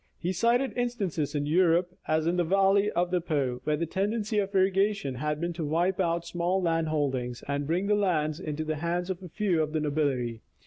He cited instances in Europe, as in the valley of the Po, where the tendency of irrigation had been to wipe out small land holdings, and bring the lands into the hands of a few of the nobility.